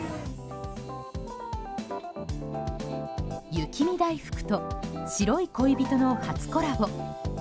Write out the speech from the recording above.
雪見だいふくと白い恋人の初コラボ。